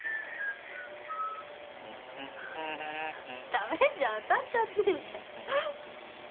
ダメじゃん歌っちゃってんじゃん